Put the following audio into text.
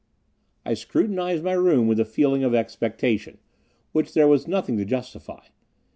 I scrutinized my room with a feeling of expectation, which there was nothing to justify.